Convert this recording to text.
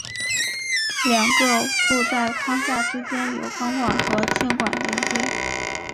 两个履带框架之间由钢管和铅管连接。